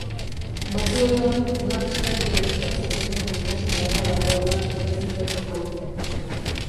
Batzuetan lan eskariei ezetz esaten ikasi beharra dagoela ez itotzeko.